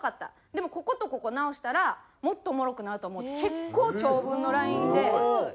「でもこことここ直したらもっとおもろくなると思う」って結構長文のＬＩＮＥで教えてくれて。